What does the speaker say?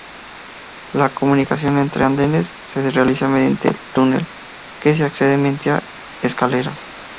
La comunicación entre andenes se realiza mediante un túnel que se accede mediante escaleras.